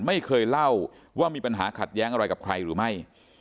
ไม่เคยเล่าว่ามีปัญหาขัดแย้งอะไรกับใครหรือไม่